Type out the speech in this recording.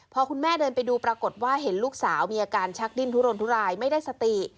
พอคุณแม่เดินไปดูปรากฏว่าเห็นลูกสาวมีอาการชักดิ้นทุรนทุรายไม่ได้สติ